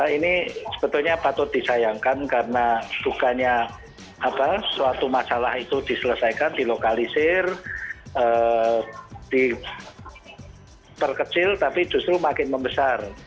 ini sebetulnya patut disayangkan karena bukannya suatu masalah itu diselesaikan dilokalisir diperkecil tapi justru makin membesar